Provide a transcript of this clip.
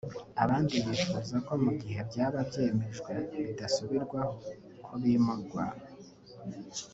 Abandi bifuza ko mu gihe byaba byemejwe bidasubirwaho ko bimurwa